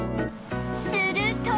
すると